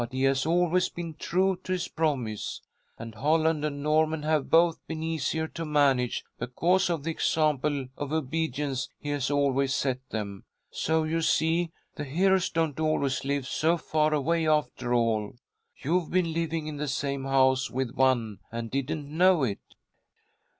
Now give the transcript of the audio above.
But he has always been true to his promise, and Holland and Norman have both been easier to manage, because of the example of obedience he has always set them. So you see the heroes don't always live so far away after all. You've been living in the same house with one, and didn't know it."